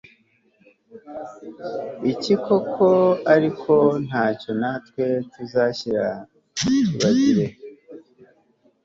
iki koko Ariko ntacyo natwe tuzashyira tubagire